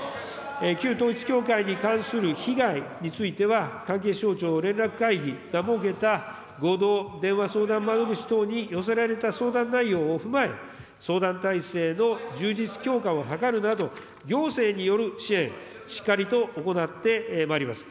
旧統一教会に関する被害については、関係省庁連絡会議が設けた合同電話相談窓口等に寄せられた相談内容を踏まえ、相談体制の充実強化を図るなど、行政による支援、しっかりと行ってまいります。